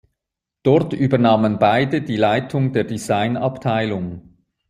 Dort übernahmen beide die Leitung der Designabteilung.